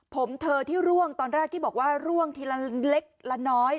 ผมเธอที่ร่วงตอนแรกที่บอกว่าร่วงทีละเล็กละน้อย